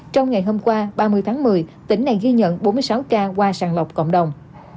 trong ngày hôm qua ba mươi tháng một mươi tỉnh này ghi nhận bốn mươi sáu ca qua sàng lọc cộng đồng